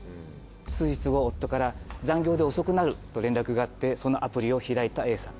数日後夫から残業で遅くなると連絡があってそのアプリを開いたＡさん。